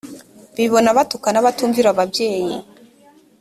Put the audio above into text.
bibona batukana batumvira ababyeyi